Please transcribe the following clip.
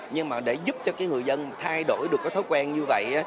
nhưng mà để giúp cho cái người dân thay đổi được cái thói quen như vậy